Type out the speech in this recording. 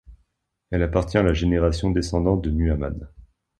Elle appartient à la génération descendant de Muhammad.